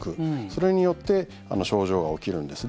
それによって症状が起きるんです。